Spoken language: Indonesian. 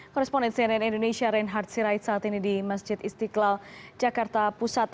koresponden cnn indonesia reinhard sirait saat ini di masjid istiqlal jakarta pusat